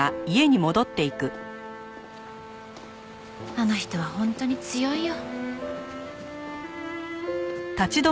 あの人は本当に強いよ。